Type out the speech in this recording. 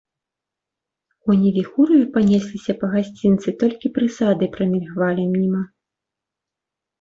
Коні віхураю панесліся па гасцінцы, толькі прысады прамільгвалі міма.